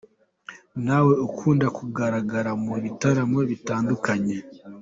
nawe ukunda kugaragara mu bitaramo bitandukanye.